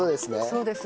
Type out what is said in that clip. そうです。